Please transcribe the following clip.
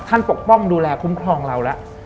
ท่านปกป้องดูแลคุ้มครองเราละ